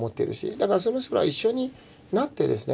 だからそれすら一緒になってですね